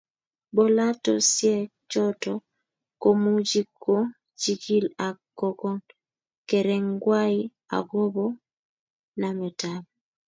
Bolatosiek choto komuchi kochigil ak kokon kerengwai agobo nametab